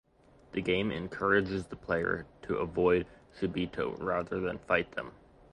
The game encourages the player to avoid Shibito rather than fight them.